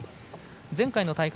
前回の大会